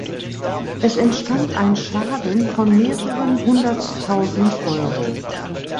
Es entstand ein Schaden von mehreren hunderttausend Euro.